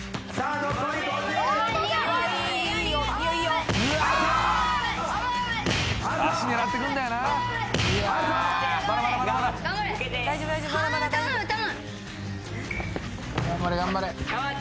頑張れ。頑張って。